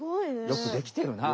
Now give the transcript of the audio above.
よくできてるな。